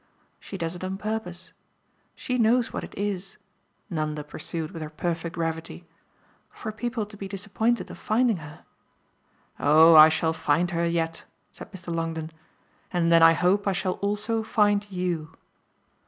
She does it on purpose: she knows what it is," Nanda pursued with her perfect gravity, "for people to be disappointed of finding her." "Oh I shall find her yet," said Mr. Longdon. "And then I hope I shall also find YOU."